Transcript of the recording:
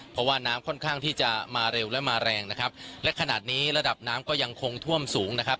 เพราะว่าน้ำค่อนข้างที่จะมาเร็วและมาแรงนะครับและขนาดนี้ระดับน้ำก็ยังคงท่วมสูงนะครับ